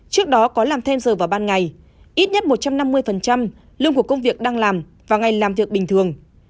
trước đó có làm thêm giờ vào ban ngày ít nhất một trăm năm mươi lương của công việc đang làm và ngày làm việc bình thường